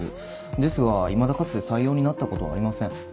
ですがいまだかつて採用になった事はありません。